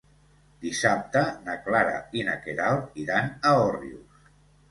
Dissabte na Clara i na Queralt iran a Òrrius.